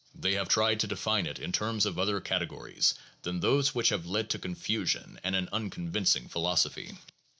They have tried to define it in terms of other categories than those which have led to confusion and an un convincing philosophy.